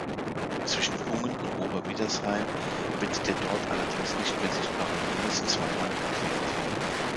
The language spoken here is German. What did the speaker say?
Zwischen Hungen und Ober-Widdersheim wird der dort allerdings nicht mehr sichtbare Limes zweimal gequert.